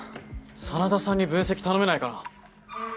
真田さんに分析頼めないかな？